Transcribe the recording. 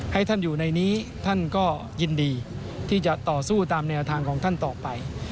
ให้ท่านอยู่ในนี้ท่านก็ยินดีที่จะต่อสู้ตามแนวทางของท่านต่อไป